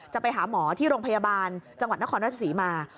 ไปหาหมอที่โรงพยาบาลจังหวัดนครราชศรีมา